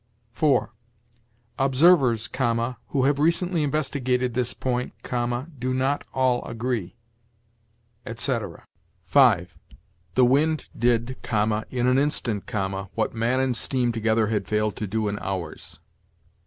4. 'Observers(,) who have recently investigated this point(,) do not all agree,' etc. 5. 'The wind did(,) in an instant(,) what man and steam together had failed to do in hours.'